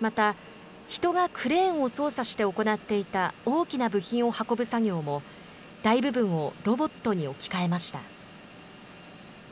また、人がクレーンを操作して行っていた大きな部品を運ぶ作業も、大部分をロボットに置き換えました。